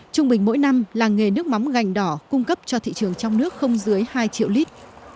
trung bình mỗi năm làng nghề nước mắm gành đỏ cung cấp cho thị trường trong nước không dưới hai triệu lít